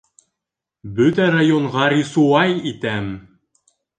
Бөтә районға рисуай итәм!